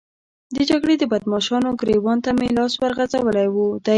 د جګړې د بدماشانو ګرېوان ته مې لاس ورغځولی دی.